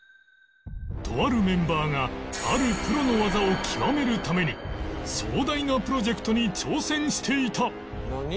とあるメンバーがあるプロの技を究めるために壮大なプロジェクトに挑戦していた